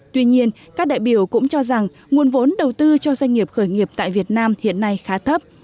tuy nhiên các đại biểu cũng cho rằng nguồn vốn đầu tư cho doanh nghiệp khởi nghiệp tại việt nam hiện nay khá thấp